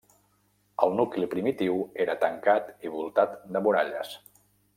El nucli primitiu era tancat i voltat de muralles.